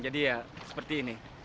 jadi ya seperti ini